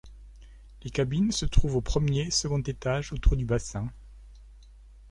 Les cabines se trouvent aux premier et second étages autour du bassin.